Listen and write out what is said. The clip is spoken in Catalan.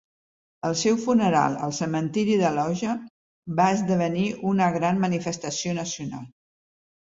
El seu funeral, al cementiri d'Aloja, va esdevenir una gran manifestació nacional.